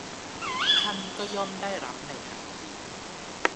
ท่านก็ย่อมได้รับในทันที